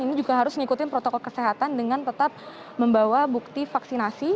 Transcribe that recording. ini juga harus mengikuti protokol kesehatan dengan tetap membawa bukti vaksinasi